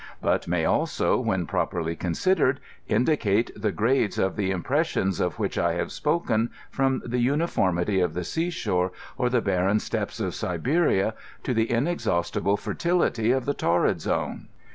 J28 OOSMOS. Imt tuMy afoo, when pioperly conndered, indicate the grades cf the impresfitOBs 6f which I have Bpoken, £com the umlbnii ity tK the sea flhore, or the hanen steppes of Siberia, to the inexhaustible fertility of the torrid zone.